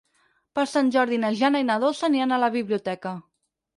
Per Sant Jordi na Jana i na Dolça aniran a la biblioteca.